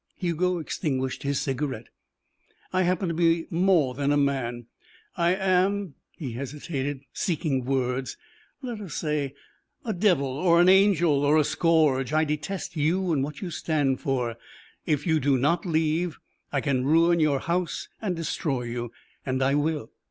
Hugo extinguished his cigarette. "I happen to be more than a man. I am " he hesitated, seeking words "let us say, a devil, or an angel, or a scourge. I detest you and what you stand for. If you do not leave I can ruin your house and destroy you. And I will."